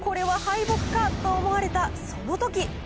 これは敗北かと思われた、そのとき。